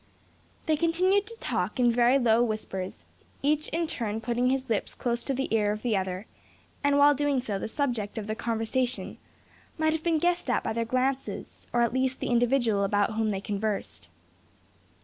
They continued to talk in very low whispers, each in turn putting his lips close to the ear of the other; and while doing so the subject of their conversation might have been guessed at by their glances, or at least the individual about whom they conversed.